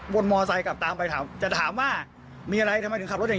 มอไซค์กลับตามไปถามจะถามว่ามีอะไรทำไมถึงขับรถอย่าง